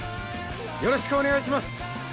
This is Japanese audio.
よろしくお願いします。